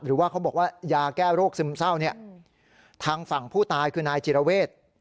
หรือว่าเขาบอกว่ายาแก้โรคซึมเศร้าเนี่ยทางฝั่งผู้ตายคือนายจิรเวท